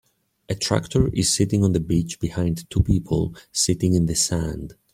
A tractor is sitting on the beach behind two people sitting in the sand.